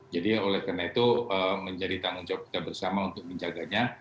oleh karena itu menjadi tanggung jawab kita bersama untuk menjaganya